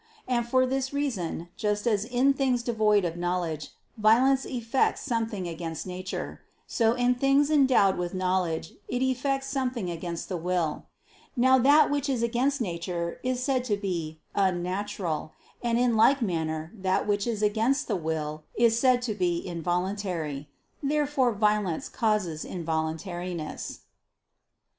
And for this reason, just as in things devoid of knowledge, violence effects something against nature: so in things endowed with knowledge, it effects something against the will. Now that which is against nature is said to be "unnatural"; and in like manner that which is against the will is said to be "involuntary." Therefore violence causes involuntariness.